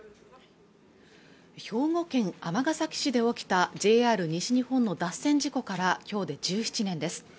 兵庫県尼崎市で起きたＪＲ西日本の脱線事故から今日で１７年です